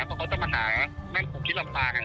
แล้วเขาขึ้นไปถามทองนี้หาไปไหน